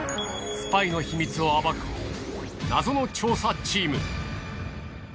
スパイの秘密を暴く謎の調査チーム。